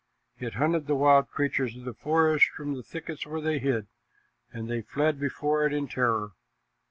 It hunted the wild creatures of the forest from the thickets where they hid, and they fled before it in terror.